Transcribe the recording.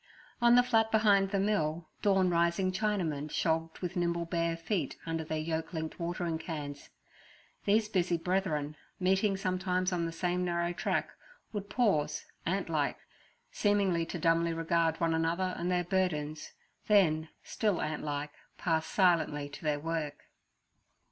On the flat behind the mill, dawn rising Chinamen shogged with nimble bare feet under their yoke linked watering cans. These busy brethren, meeting sometimes on the same narrow track, would pause, ant like, seemingly to dumbly regard one another and their burdens, then, still ant like, pass silently to their work.